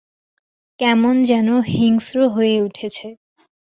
কেমন যেন হিংস্র হয়ে উঠেছে।